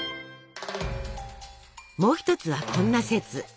もう一つはこんな説。